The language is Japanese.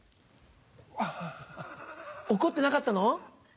怒ってなかったの？